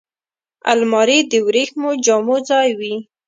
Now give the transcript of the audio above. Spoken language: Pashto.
الماري د وریښمو جامو ځای وي